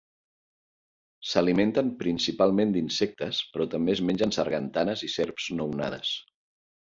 S'alimenten principalment d'insectes, però també es mengen sargantanes i serps nounades.